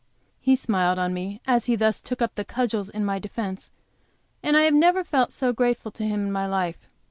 He smiled on me, as he thus took up the cudgels in my defence, and I never felt so grateful to him in my life.